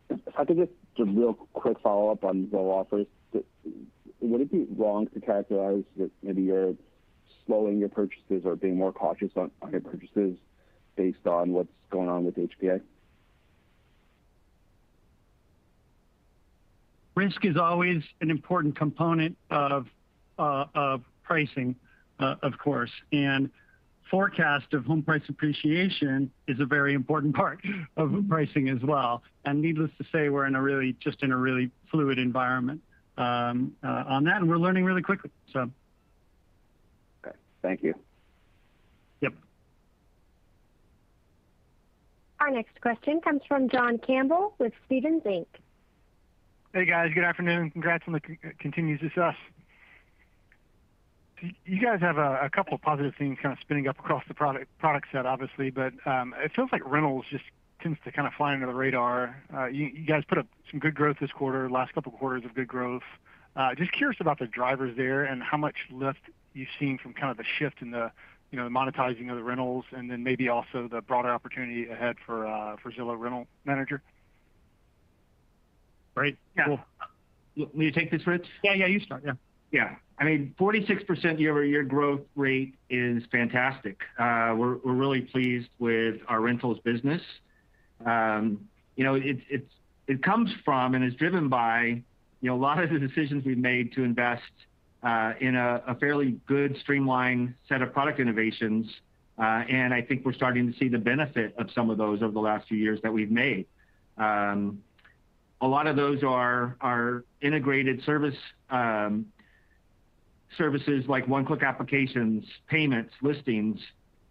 If I could just do a real quick follow-up on Zillow Offers. Would it be wrong to characterize that maybe you're slowing your purchases or being more cautious on purchases based on what's going on with HPA? Risk is always an important component of pricing, of course. Forecast of home price appreciation is a very important part of pricing as well. Needless to say, we're just in a really fluid environment on that, and we're learning really quickly. Okay. Thank you. Yep. Our next question comes from John Campbell with Stephens Inc. Hey, guys. Good afternoon. Congrats on the continued success. You guys have a couple of positive things kind of spinning up across the product set, obviously. It feels like rentals just tends to kind of fly under the radar. You guys put up some good growth this quarter, last couple of quarters of good growth. Just curious about the drivers there and how much lift you've seen from kind of the shift in the monetizing of the rentals, and then maybe also the broader opportunity ahead for Zillow Rental Manager. Great. Yeah. Cool. You take this, Rich? Yeah. You start. Yeah. Yeah. 46% year-over-year growth rate is fantastic. We're really pleased with our rentals business. It comes from and is driven by a lot of the decisions we've made to invest in a fairly good streamlined set of product innovations. I think we're starting to see the benefit of some of those over the last few years that we've made. A lot of those are integrated services like one-click applications, payments, listings,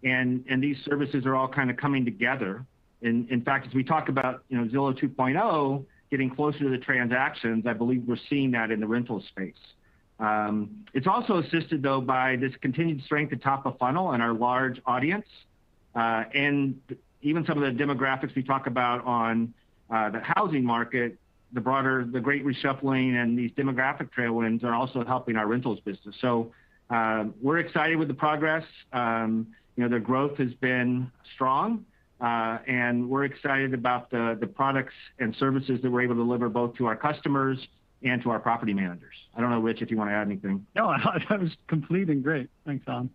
and these services are all kind of coming together. In fact, as we talk about Zillow 2.0 getting closer to the transactions, I believe we're seeing that in the rental space. It's also assisted, though, by this continued strength at top of funnel and our large audience. Even some of the demographics we talk about on the housing market, the broader, the great reshuffling, and these demographic tailwinds are also helping our rentals business. We're excited with the progress. The growth has been strong. We're excited about the products and services that we're able to deliver both to our customers and to our property managers. I don't know, Rich, if you want to add anything. No, that was complete and great. Thanks, John.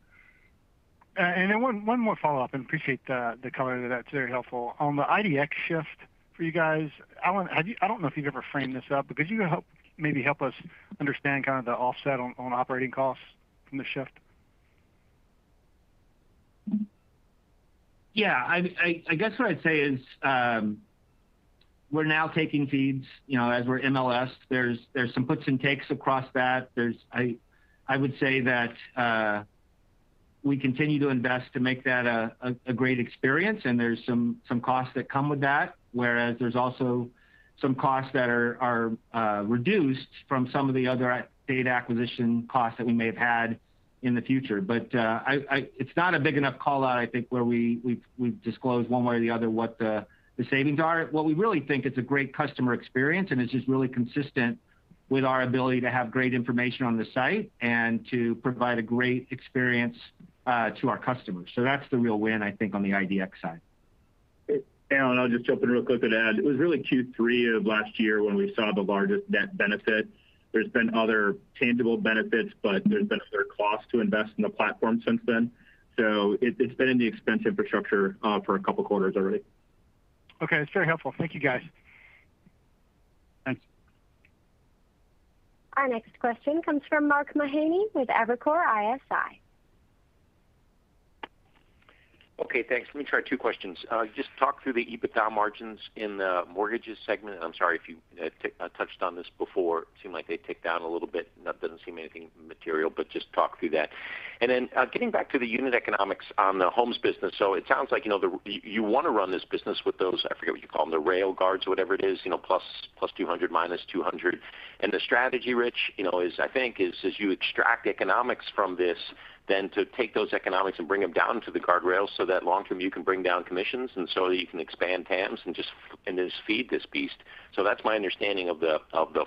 One more follow-up, and appreciate the color there. That's very helpful. On the IDX shift for you guys, I don't know if you've ever framed this up. Could you maybe help us understand kind of the offset on operating costs from the shift? Yeah. I guess what I'd say is we're now taking feeds as we're MLS. There's some puts and takes across that. I would say that we continue to invest to make that a great experience, and there's some costs that come with that, whereas there's also some costs that are reduced from some of the other data acquisition costs that we may have had in the future. It's not a big enough call-out, I think, where we've disclosed one way or the other what the savings are. What we really think it's a great customer experience, and it's just really consistent with our ability to have great information on the site and to provide a great experience to our customers. That's the real win, I think, on the IDX side. Allen, I'll just jump in real quick and add, it was really Q3 of last year when we saw the largest net benefit. There's been other tangible benefits, but there's been other costs to invest in the platform since then. It's been in the expense infrastructure for a couple of quarters already. Okay. It's very helpful. Thank you, guys. Thanks. Our next question comes from Mark Mahaney with Evercore ISI. Okay, thanks. Let me try two questions. Just talk through the EBITDA margins in the Mortgages segment. I'm sorry if you touched on this before. Seemed like they ticked down a little bit. Doesn't seem anything material, but just talk through that. Getting back to the unit economics on the Homes business. It sounds like you want to run this business with those, I forget what you call them, the rail guards, whatever it is, +200, -200. The strategy, Rich, is I think is as you extract economics from this, then to take those economics and bring them down to the guardrail so that long-term you can bring down commissions, and so that you can expand TAMs and just feed this beast. That's my understanding of the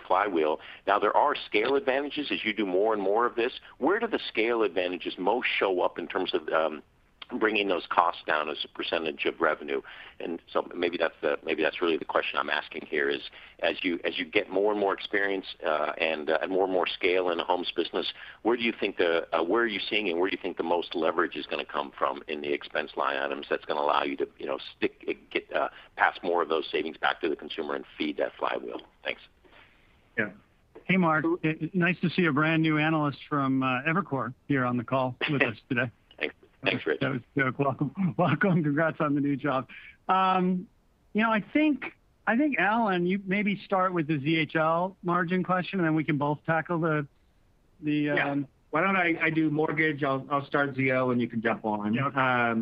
flywheel. There are scale advantages as you do more and more of this. Where do the scale advantages most show up in terms of bringing those costs down as a percentage of revenue? Maybe that's really the question I'm asking here is as you get more and more experience, and more and more scale in the homes business, where are you seeing and where do you think the most leverage is going to come from in the expense line items that's going to allow you to pass more of those savings back to the consumer and feed that flywheel? Thanks. Yeah. Hey, Mark. Nice to see a brand new analyst from Evercore here on the call with us today. Thanks, Rich. That was a joke. Welcome. Congrats on the new job. I think, Allen, you maybe start with the ZHL margin question, and then we can both tackle. Yeah. Why don't I do mortgage? I'll start ZO, and you can jump on. Yeah.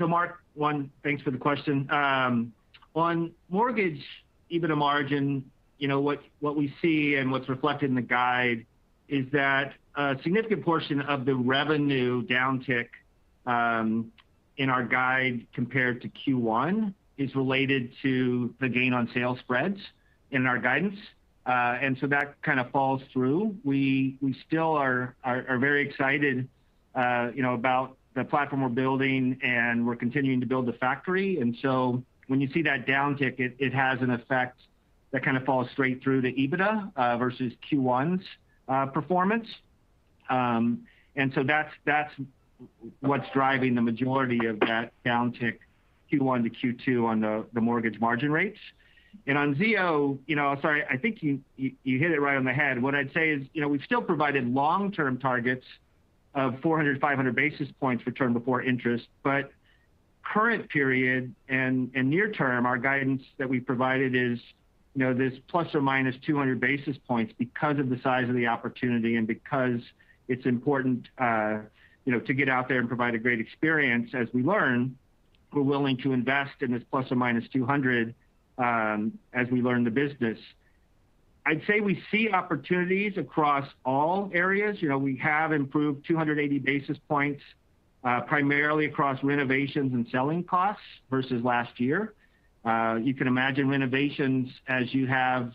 Mark, one, thanks for the question. On mortgage EBITDA margin, what we see and what's reflected in the guide is that a significant portion of the revenue downtick in our guide compared to Q1 is related to the gain on sale spreads in our guidance. That kind of falls through. We still are very excited about the platform we're building, and we're continuing to build the factory. When you see that downtick, it has an effect that kind of falls straight through to EBITDA versus Q1's performance. That's what's driving the majority of that downtick, Q1 to Q2 on the mortgage margin rates. On ZO, sorry, I think you hit it right on the head. What I'd say is, we've still provided long-term targets of 400, 500 basis points for return before interest. Current period and near term, our guidance that we provided is this ±200 basis points because of the size of the opportunity and because it's important to get out there and provide a great experience as we learn. We're willing to invest in this ±200 as we learn the business. I'd say we see opportunities across all areas. We have improved 280 basis points, primarily across renovations and selling costs versus last year. You can imagine renovations as you have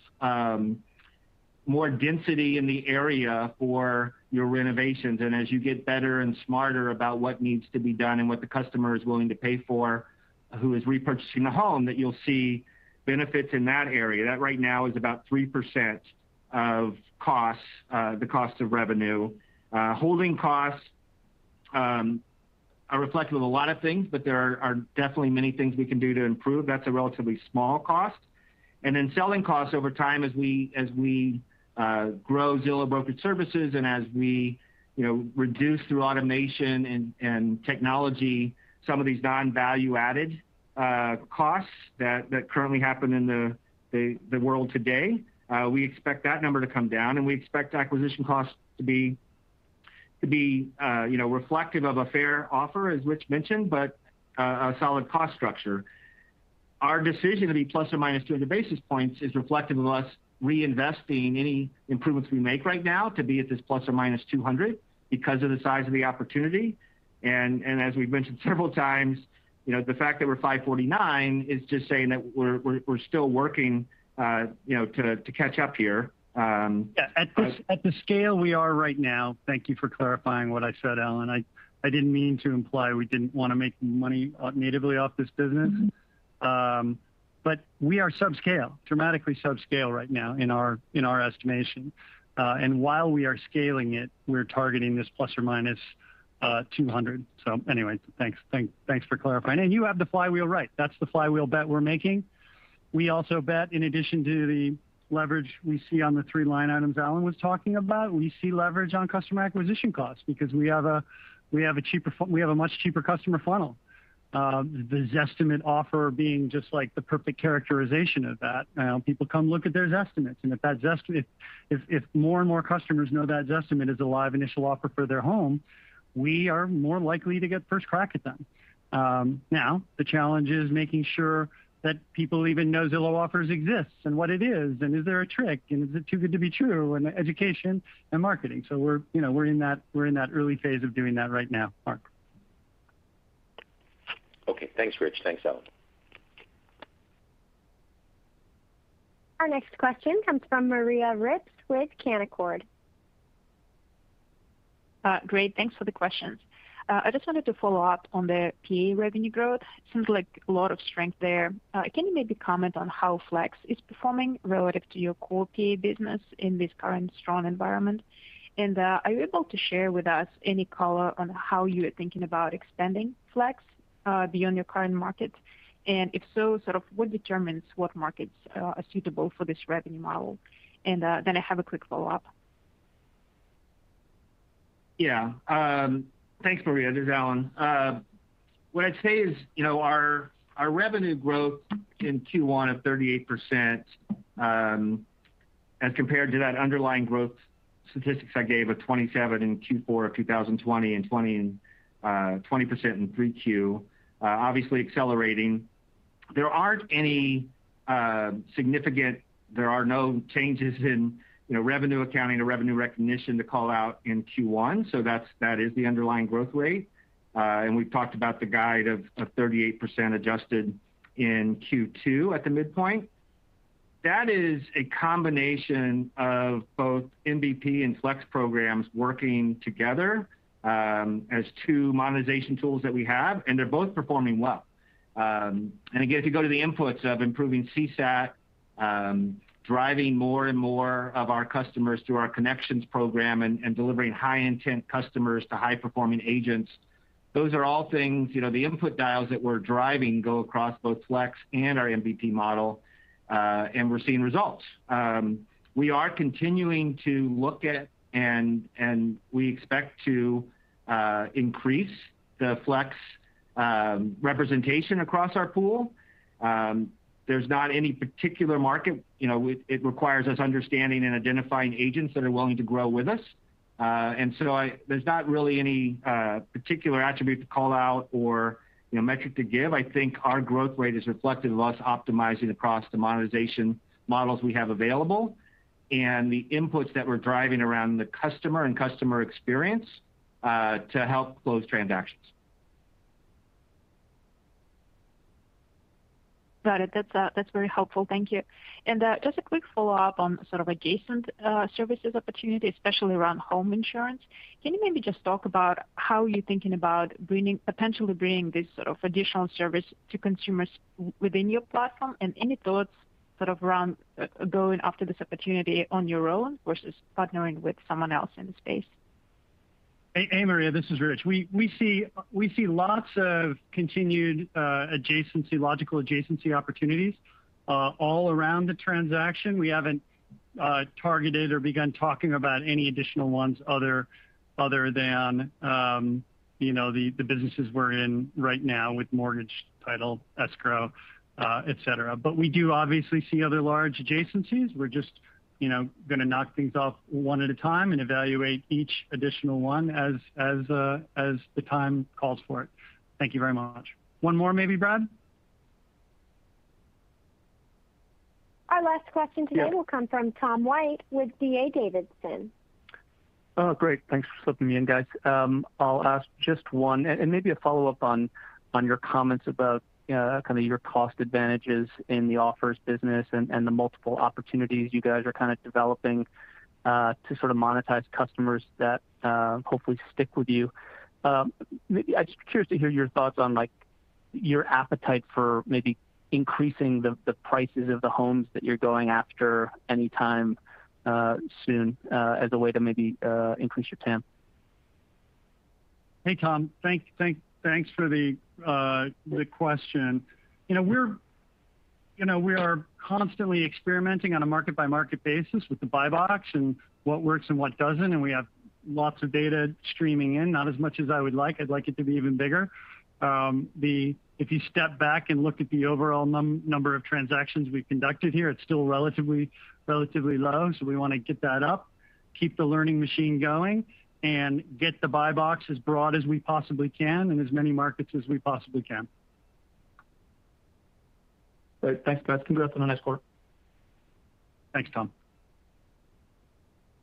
more density in the area for your renovations, and as you get better and smarter about what needs to be done and what the customer is willing to pay for, who is repurchasing the home, that you'll see benefits in that area. That right now is about 3% of the cost of revenue. Holding costs are reflective of a lot of things, but there are definitely many things we can do to improve. That's a relatively small cost. Then selling costs over time as we grow Zillow Brokerage Services and as we reduce through automation and technology some of these non-value-added costs that currently happen in the world today. We expect that number to come down, and we expect acquisition costs to be reflective of a fair offer, as Rich mentioned, but a solid cost structure. Our decision to be ±200 basis points is reflective of us reinvesting any improvements we make right now to be at this ±200 because of the size of the opportunity. As we've mentioned several times, the fact that we're 549 is just saying that we're still working to catch up here. At the scale we are right now, thank you for clarifying what I said, Allen. I didn't mean to imply we didn't want to make money natively off this business. We are subscale, dramatically subscale right now in our estimation. While we are scaling it, we're targeting this ±200. Anyway, thanks for clarifying. You have the flywheel right. That's the flywheel bet we're making. We also bet, in addition to the leverage we see on the three line items Allen was talking about, we see leverage on customer acquisition costs because we have a much cheaper customer funnel. The Zestimate offer being just like the perfect characterization of that. People come look at their Zestimates, and if more and more customers know that Zestimate is a live initial offer for their home, we are more likely to get first crack at them. Now, the challenge is making sure that people even know Zillow Offers exists and what it is, and is there a trick, and is it too good to be true, and the education and marketing. We're in that early phase of doing that right now, Mark. Okay. Thanks, Rich. Thanks, Allen. Our next question comes from Maria Ripps with Canaccord. Great, thanks for the questions. I just wanted to follow up on the PA revenue growth. Seems like a lot of strength there. Can you maybe comment on how Flex is performing relative to your core PA business in this current strong environment? Are you able to share with us any color on how you are thinking about expanding Flex beyond your current market? If so, sort of what determines what markets are suitable for this revenue model? Then I have a quick follow-up. Thanks, Maria. This is Allen. Our revenue growth in Q1 of 38%, as compared to that underlying growth statistics I gave of 27% in Q4 of 2020 and 20% in 3Q, obviously accelerating. There are no changes in revenue accounting or revenue recognition to call out in Q1, so that is the underlying growth rate. We've talked about the guide of 38% adjusted in Q2 at the midpoint. That is a combination of both MBP and Flex programs working together as two monetization tools that we have, and they're both performing well. Again, if you go to the inputs of improving CSAT, driving more and more of our customers through our Connections program and delivering high-intent customers to high-performing agents, those are all things, the input dials that we're driving go across both Flex and our MBP model. We're seeing results. We are continuing to look at and we expect to increase the Flex. Representation across our pool. There's not any particular market. It requires us understanding and identifying agents that are willing to grow with us. There's not really any particular attribute to call out or metric to give. I think our growth rate is reflective of us optimizing across the monetization models we have available, and the inputs that we're driving around the customer and customer experience to help close transactions. Got it. That's very helpful. Thank you. Just a quick follow-up on sort of adjacent services opportunity, especially around home insurance. Can you maybe just talk about how you're thinking about potentially bringing this sort of additional service to consumers within your platform? Any thoughts sort of around going after this opportunity on your own versus partnering with someone else in the space? Hey, Maria, this is Rich. We see lots of continued logical adjacency opportunities all around the transaction. We haven't targeted or begun talking about any additional ones other than the businesses we're in right now with mortgage, title, escrow, et cetera. We do obviously see other large adjacencies. We're just going to knock things off one at a time and evaluate each additional one as the time calls for it. Thank you very much. One more maybe, Brad? Our last question today will come from Tom White with D.A. Davidson. Oh, great. Thanks for slipping me in, guys. I'll ask just one, and maybe a follow-up on your comments about kind of your cost advantages in the Offers business and the multiple opportunities you guys are kind of developing to sort of monetize customers that hopefully stick with you. I'm just curious to hear your thoughts on your appetite for maybe increasing the prices of the homes that you're going after any time soon as a way to maybe increase your TAM. Hey, Tom. Thanks for the question. We are constantly experimenting on a market-by-market basis with the buy box and what works and what doesn't. We have lots of data streaming in. Not as much as I would like. I'd like it to be even bigger. If you step back and look at the overall number of transactions we've conducted here, it's still relatively low. We want to get that up, keep the learning machine going, and get the buy box as broad as we possibly can in as many markets as we possibly can. Great. Thanks, guys. Congrats on a nice quarter. Thanks, Tom.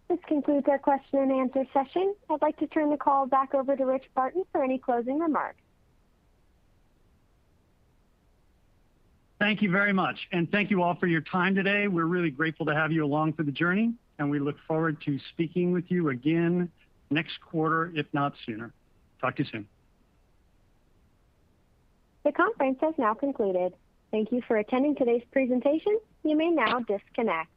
This concludes our question and answer session. I'd like to turn the call back over to Rich Barton for any closing remarks. Thank you very much, and thank you all for your time today. We're really grateful to have you along for the journey, and we look forward to speaking with you again next quarter, if not sooner. Talk to you soon. The conference has now concluded. Thank you for attending today's presentation. You may now disconnect.